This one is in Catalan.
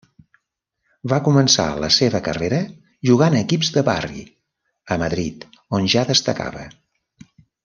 Va començar la seva carrera jugant a equips de barri a Madrid on ja destacava.